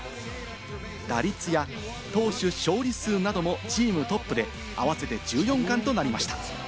打率や投手勝利数などチームトップで合わせて１４冠となりました。